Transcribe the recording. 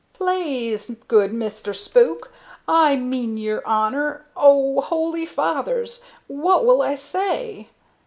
"Plaze, good Mister Spook I mean yer Honor Oh, Holy Fathers! what will I say?"